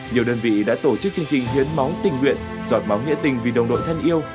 nhiều đơn vị đã tổ chức chương trình hiến máu tình nguyện giọt máu nghĩa tình vì đồng đội thân yêu